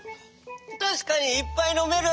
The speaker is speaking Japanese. たしかにいっぱいのめる！